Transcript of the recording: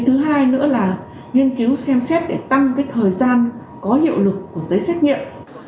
thứ hai nữa là nghiên cứu xem xét để tăng thời gian có hiệu lực của giấy xét nghiệm